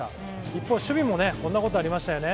一方守備もこんなことがありましたよね。